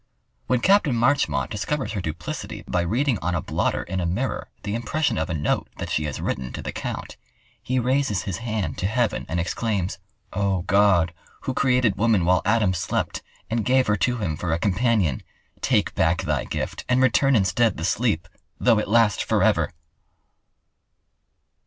When Capt. Marchmont discovers her duplicity by reading on a blotter in a mirror the impression of a note that she has written to the Count, he raises his hand to heaven and exclaims: "O God, who created woman while Adam slept, and gave her to him for a companion, take back Thy gift and return instead the sleep, though it last forever!"